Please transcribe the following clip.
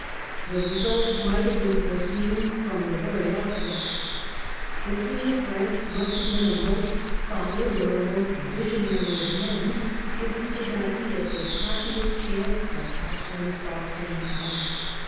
The result might have been foreseen from the very outset. The King of France must have been the most stolid or the most visionary of men if he did not see that his happiest chance had actually sought him out.